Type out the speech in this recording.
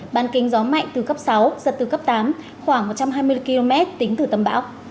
ban kinh gió mạnh từ cấp sáu giật từ cấp tám khoảng một trăm hai mươi km tính từ tâm bão